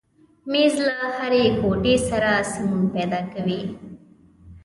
مېز له هرې کوټې سره سمون پیدا کوي.